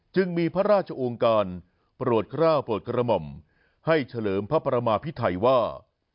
จึงมีพระราชองค์การโปรดกล้าวโปรดกระหม่อมให้เฉลิมพระประมาพิไทยว่า